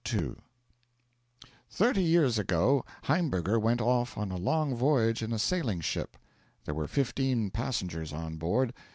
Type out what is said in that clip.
II Thirty years ago Haimberger went off on a long voyage in a sailing ship. There were fifteen passengers on board.